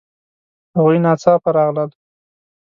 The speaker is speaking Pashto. هغوی ناڅاپه راغلل